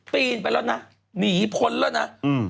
ปีนไปแล้วนะหนีพ้นแล้วนะ